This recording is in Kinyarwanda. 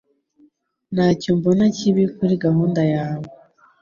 Ntacyo mbona kibi kuri gahunda yawe